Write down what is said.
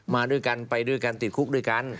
มาด้วยกันไปด้วยกันติดคุกด้วยกัน